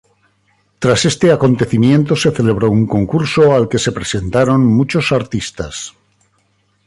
Tras este acontecimiento se celebró un concurso al que se presentaron muchos artistas.